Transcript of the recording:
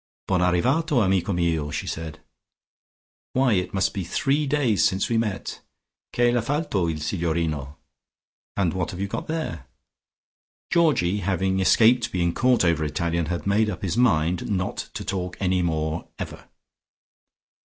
"Bon arrivato, amico mio," she said. "Why, it must be three days since we met. Che la falto il signorino? And what have you got there?" Georgie, having escaped being caught over Italian, had made up his mind not to talk any more ever.